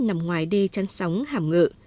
nằm ngoài đê chăn sóng hàm ngự